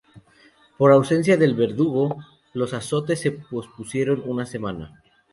Por ausencia del verdugo, los azotes se pospusieron una semana.